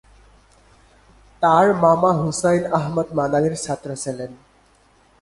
তাঁর মামা হুসাইন আহমদ মাদানির ছাত্র ছিলেন।